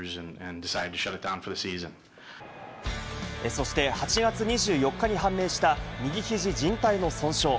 そして８月２４日に判明した右肘じん帯の損傷。